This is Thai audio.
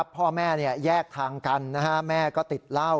พ่อแม่แยกทางกันแม่ก็ติดเหล้า